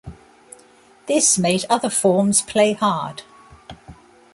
This made other forms play hard.